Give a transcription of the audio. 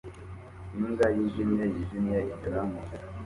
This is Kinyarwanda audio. Imbwa yijimye yijimye inyura mu nzira